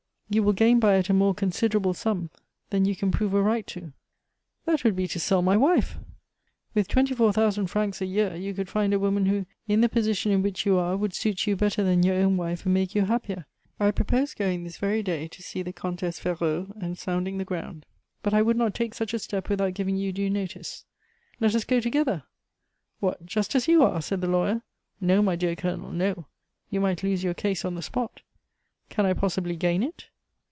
You will gain by it a more considerable sum than you can prove a right to." "That would be to sell my wife!" "With twenty four thousand francs a year you could find a woman who, in the position in which you are, would suit you better than your own wife, and make you happier. I propose going this very day to see the Comtesse Ferraud and sounding the ground; but I would not take such a step without giving you due notice." "Let us go together." "What, just as you are?" said the lawyer. "No, my dear Colonel, no. You might lose your case on the spot." "Can I possibly gain it?"